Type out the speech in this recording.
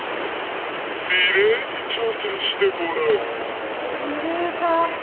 「リレーに挑戦してもらう」。